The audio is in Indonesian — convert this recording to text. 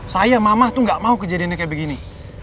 saya mamah tuh gak mau kejadiannya kayak begini